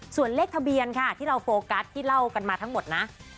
ส่วนเลขทะเบียนค่ะที่เราโฟกัสที่เล่ากันมาทั้งหมดนะ